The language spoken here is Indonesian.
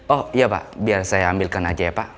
oh iya pak biar saya ambilkan aja ya pak